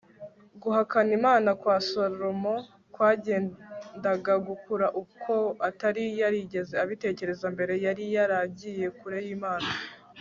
guhakana imana kwa salomo kwagendaga gukura uko atari yarigeze abitekereza mbere, yari yaragiye kure y'imana